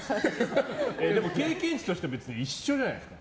でも経験値としては別に一緒じゃないですか。